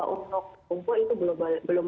untuk umpuk itu belum